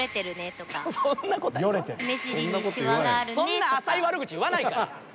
そんな浅い悪口言わないから。